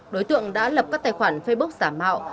đối tượng đã lập các tài khoản facebook giả mạo